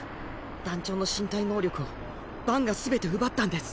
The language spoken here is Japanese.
団長の身体能力をバンが全て奪ったんです。